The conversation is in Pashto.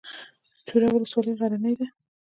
چوره ولسوالۍ غرنۍ ده؟